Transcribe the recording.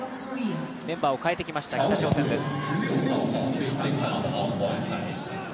メンバーを代えてきました、北朝鮮です。